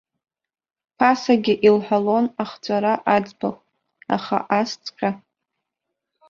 Ԥасагьы илҳәалон ахҵәара аӡбахә, аха асҵәҟьа.